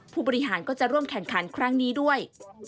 ผู้บริหารก็จะร่วมแข่งขันครั้งนี้ด้วย